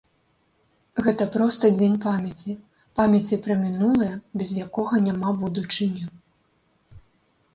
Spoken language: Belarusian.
Гэта проста дзень памяці, памяці пра мінулае, без якога няма будучыні.